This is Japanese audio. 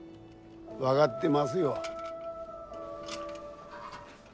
分がってますよ。